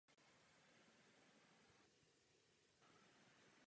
S vypuknutím první světové války byl odvolán a vrátil se do Německa.